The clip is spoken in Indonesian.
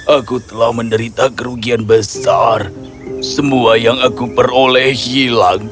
aku telah menderita kerugian besar semua yang aku peroleh hilang